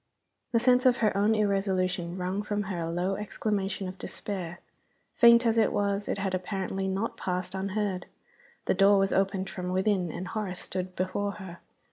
The sense of her own irresolution wrung from her a low exclamation of despair. Faint as it was, it had apparently not passed unheard. The door was opened from within and Horace stood before her.